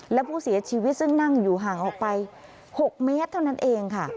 และผู้เสียชีวิตซึ่งนั่งอยู่ห่างออกไป๖เมตรเท่านั้นเองค่ะ